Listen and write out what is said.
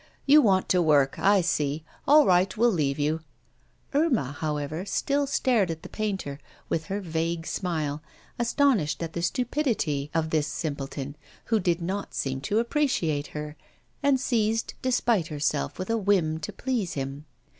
'You want to work, I see; all right, we'll leave you.' Irma, however, still stared at the painter, with her vague smile, astonished at the stupidity of this simpleton, who did not seem to appreciate her, and seized despite herself with a whim to please him.